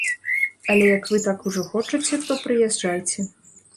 Але, як вы так ужо хочаце, то прыязджайце.